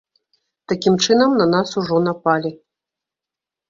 Такім чынам, на нас ужо напалі.